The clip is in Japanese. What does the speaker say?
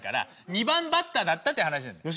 ２番バッターだったって話なんです。